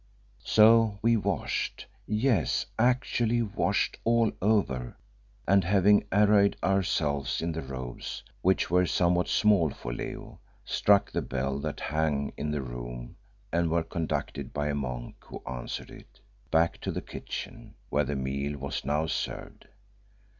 So we washed yes, actually washed all over and having arrayed ourselves in the robes, which were somewhat small for Leo, struck the bell that hung in the room and were conducted by a monk who answered it, back to the kitchen, where the meal was now served.